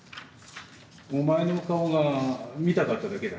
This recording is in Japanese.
お前の顔が見たかっただけだ。